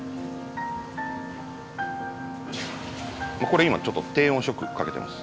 これ今ちょっと低温ショックかけてます。